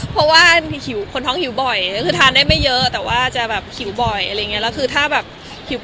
เพราะว่าคนท้องขิวบ่อยแล้วคือทานได้ไม่เยอะแต่ว่าจะแบบขิวบ่อยอะไรแบบนี้